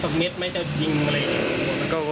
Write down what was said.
เม็ดไหมจะยิงอะไรอย่างนี้